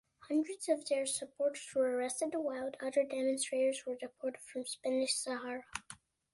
Hundreds of their supporters were arrested, while other demonstrators were deported from Spanish Sahara.